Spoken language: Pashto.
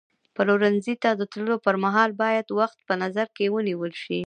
پلورنځي ته د تللو پر مهال باید وخت په نظر کې ونیول شي.